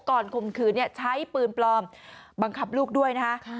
ข่มขืนใช้ปืนปลอมบังคับลูกด้วยนะคะ